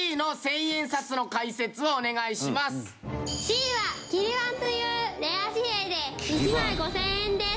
Ｃはキリ番というレア紙幣で１枚５０００円です。